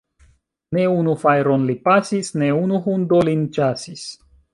Ne unu fajron li pasis, ne unu hundo lin ĉasis.